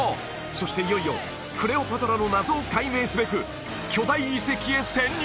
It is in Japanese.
そしていよいよクレオパトラの謎を解明すべく巨大遺跡へ潜入！